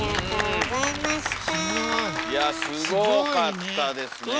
いやすごかったですねえ。